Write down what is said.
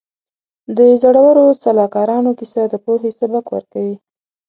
د زړورو سلاکارانو کیسه د پوهې سبق ورکوي.